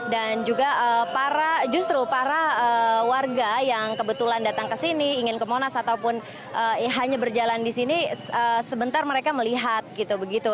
dan juga para warga yang kebetulan datang ke sini ingin ke monas ataupun hanya berjalan di sini sebentar mereka melihat gitu begitu